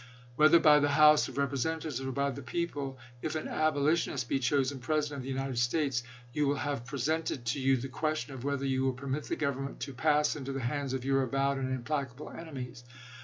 .. Whether by the House [of Representatives] or by the people, if an Abolitionist be chosen President of the United States, you will have presented to you the ques tion of whether you will permit the Government to pass into the hands of your avowed and implacable enemies.